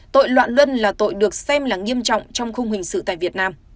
tội loạn luân là tội được xem là nghiêm trọng trong khung hình sự tại việt nam